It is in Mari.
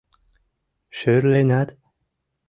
— Шӧрленат?